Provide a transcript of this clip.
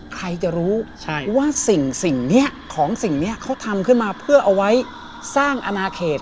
ใครจะรู้ว่าสิ่งนี้ของสิ่งนี้เขาทำขึ้นมาเพื่อเอาไว้สร้างอนาเขต